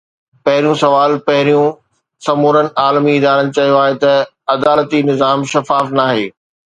پهريون سوال پهريون! سمورن عالمي ادارن چيو آهي ته عدالتي نظام شفاف ناهي.